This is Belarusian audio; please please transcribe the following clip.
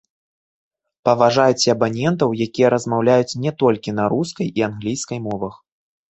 Паважайце абанентаў, якія размаўляюць не толькі на рускай і англійскай мовах.